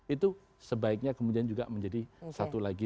itu sebaiknya kemudian juga menjadi satu lagi